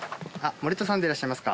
森田さんでいらっしゃいますか？